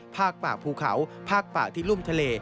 ภาคป่าภูเขาภาคป่าที่รุ่มทะเล